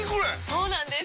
そうなんです！